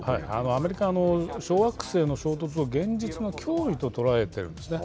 アメリカは、小惑星の衝突を現実の脅威と捉えてるんですね。